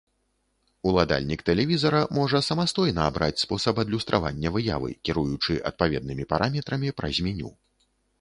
Уладальнік тэлевізара можа самастойна абраць спосаб адлюстравання выявы, кіруючы адпаведнымі параметрамі праз меню.